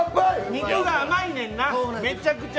肉が甘いねんな、めちゃくちゃ。